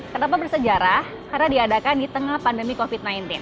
kenapa bersejarah karena diadakan di tengah pandemi covid sembilan belas